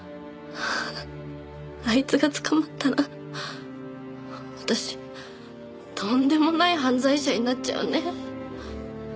あいつが捕まったら私とんでもない犯罪者になっちゃうね。